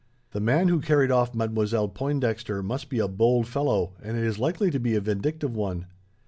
The man who carried off Mademoiselle Pointdexter must be a bold fellow, and is likely to be a vindictive one.